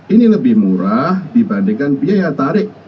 ini lebih murah dibandingkan biaya tarik